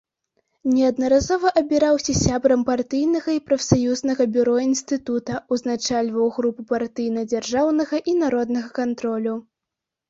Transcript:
Неаднаразова абіраўся сябрам партыйнага і прафсаюзнага бюро інстытута, узначальваў групу партыйна-дзяржаўнага і народнага кантролю.